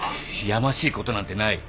やましいことなんてない。